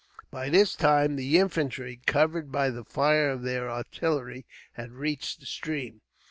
By this time the infantry, covered by the fire of their artillery, had reached the stream.